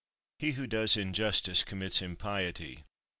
1. He who does injustice commits impiety.